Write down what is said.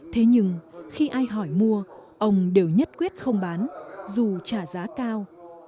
thế nhưng khi ai hỏi mua ông đều nhất quyết không bán dù trả giá cao